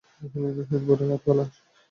এরপর কার পালা?